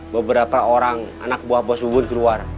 beberapa orang anak buah bos bubun keluar